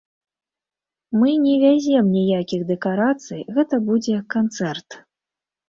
Мы не вязем ніякіх дэкарацый, гэта будзе канцэрт.